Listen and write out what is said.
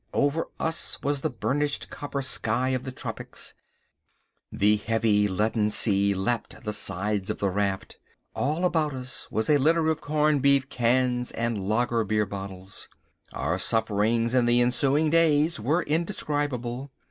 Over us was the burnished copper sky of the tropics. The heavy, leaden sea lapped the sides of the raft. All about us was a litter of corn beef cans and lager beer bottles. Our sufferings in the ensuing days were indescribable.